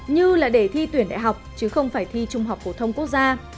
như là để thi tuyển đại học chứ không phải thi trung học phổ thông quốc gia